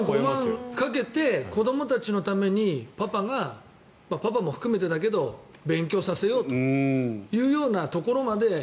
それくらいかけて子どもたちのためにパパがパパも含めてだけど勉強させようというところまで。